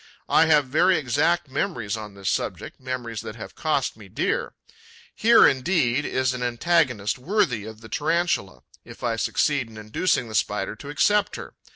I have very exact memories on this subject, memories that have cost me dear. Here indeed is an antagonist worthy of the Tarantula, if I succeed in inducing the Spider to accept her.